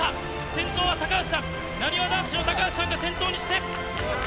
先頭は高橋さん、なにわ男子の高橋さんが先頭にして。